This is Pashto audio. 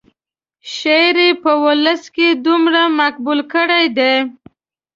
شعر یې په ولس کې دومره مقبول کړی دی.